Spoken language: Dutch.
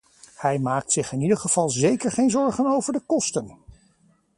Hij maakt zich in ieder geval zeker geen zorgen over de kosten!